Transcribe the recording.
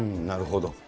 なるほど。